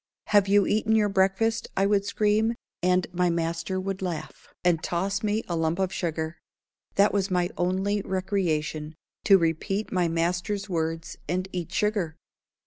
"Have you eaten your breakfast?" I would scream; and my master would laugh, and toss me a lump of sugar. That was my only recreation to repeat my master's words and eat sugar.